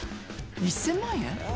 １，０００万円？